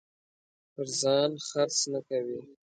پر ځان خرڅ نه کوي.